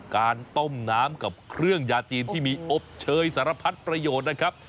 การต้มน้ำกับเครื่องยาจีนที่มีอบเชยสารพัดประโยชน์นะครับ